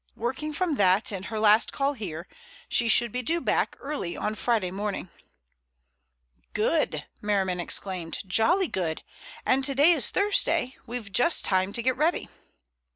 Working from that and her last call here, she should be due back early on Friday morning." "Good!" Merriman exclaimed. "Jolly good! And today is Thursday. We've just time to get ready."